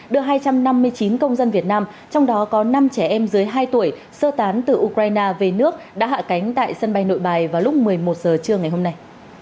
đưa hai trăm năm mươi chín công dân việt nam trong đó có năm trẻ em dưới hai tuổi sơ tán từ ukraine về nước đã hạ cánh tại sân bay nội bài vào lúc một mươi một giờ trưa ngày hôm nay